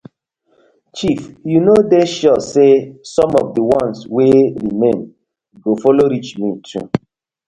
Chief yu no dey sure say som of di ones wey remain do follow reach me too.